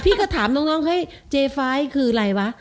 พี่ก็ถามน้องให้เจฝัยคืออะไรวะ